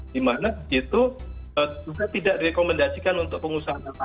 di mana itu sudah tidak direkomendasikan untuk pengusahaan air tanah